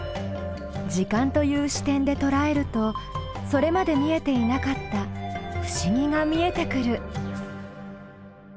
「時間」という視点でとらえるとそれまで見えていなかった不思議が見えてくる。